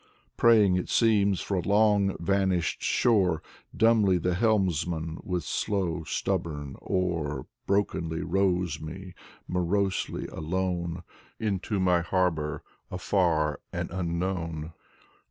Praying* it seems, for a long vanished shore, Dumbly the Helmsman with slow stubborn oar Rn>kenly rows me, morosely alone. Into my harbor, afar and unknown.